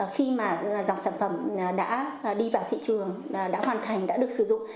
khi mà dòng sản phẩm đã đi vào thị trường đã hoàn thành đã được sử dụng